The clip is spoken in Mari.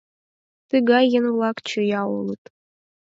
Тыгай еҥ-влак чоя улыт.